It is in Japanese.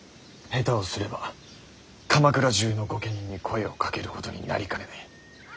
下手をすれば鎌倉中の御家人に声をかけることになりかねない。